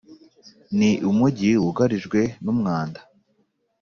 . Ni umujyi wugarijwe. Numwanda